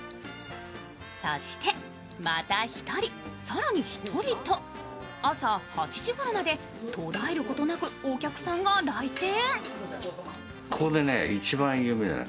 そして、また１人、更に１人と朝８時ごろまで途絶えることなくお客さんが来店。